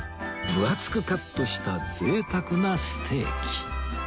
分厚くカットした贅沢なステーキ